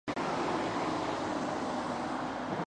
ドーモ、ニホンゴマスター＝サン！ニンジャスレイヤーです